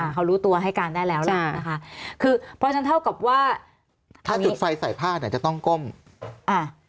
เขารู้ตัวให้การได้แล้วแหละนะคะคือเพราะฉะนั้นเท่ากับว่าถ้าจุดไฟใส่ผ้าเนี่ยจะต้องก้มอ่า